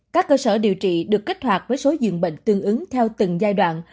các cơ sở điều trị được kích hoạt với số dường bệnh tương ứng theo từng giai đoạn